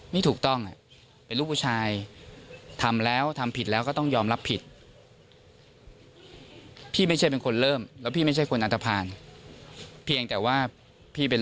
คุณเต้มงคลกิจพูดชัดเจน